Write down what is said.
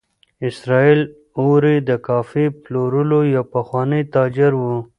اسراییل اوري د کافي پلورلو یو پخوانی تاجر و.